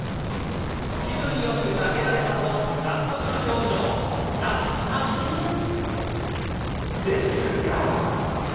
気分よく投げられたと、納得の表ですが。